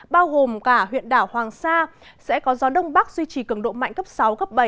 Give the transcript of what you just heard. bao gồm cả huyện đảo hoàng sa sẽ có gió đông bắc duy trì cường độ mạnh cấp sáu cấp bảy